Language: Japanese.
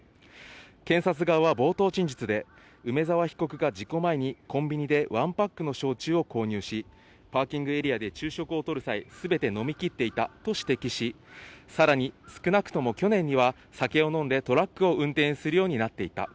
検察側は冒頭陳述で、梅沢被告が事故前にコンビニでワンパックの焼酎を購入し、パーキングエリアで昼食を取る際にすべて飲みきっていたと指摘し、さらに少なくとも去年には酒を飲んでトラックを運転するようになっていた。